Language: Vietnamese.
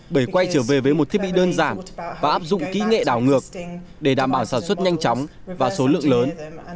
bởi quay trở về với một thiết bị đơn giản và áp dụng kỹ nghệ đảo ngược để đảm bảo sản xuất nhanh chóng và số lượng lớn